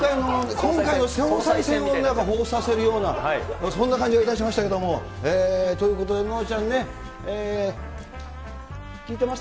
今回の総裁選をなんかほうふつとさせるような、そんな感じがいたしましたけれども、ということでののちゃんね、聞いてます？